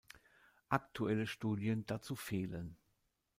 Aktuelle Studien dazu fehlen.